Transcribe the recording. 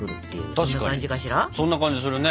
確かにそんな感じするね。